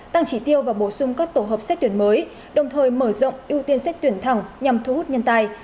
tăng trí tiêu và bổ sung các tổ hợp xét tuyển mới đồng thời mở rộng ưu tiên xét tuyển thẳng nhằm thu hút nhân tài